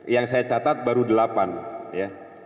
yang saya catat baru delapan ya